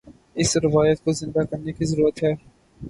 اس روایت کو زندہ کرنے کی ضرورت ہے۔